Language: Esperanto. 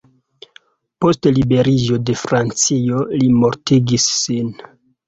Post liberiĝo de Francio, li mortigis sin.